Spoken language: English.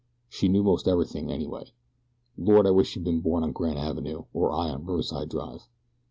She knew most everything, anyway. Lord, I wish she'd been born on Grand Ave., or I on Riverside Drive!"